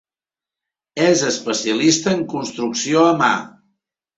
És especialista en construcció a mà.